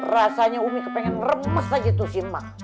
rasanya umi kepengen remes aja tuh si mak